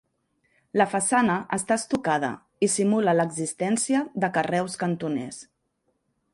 La façana està estucada i simula l'existència de carreus cantoners.